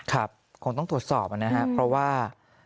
คงต้องตรวจสอบนะครับเพราะว่า